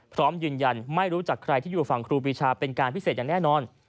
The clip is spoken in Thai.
พร้อมยืนยันไม่รู้จักใครที่อยู่ฝั่งครูปีชาเป็นการพิเศษอย่างแน่นอน